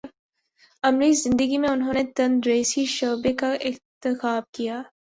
عملی زندگی میں انہوں نے تدریسی شعبے کا انتخاب کیا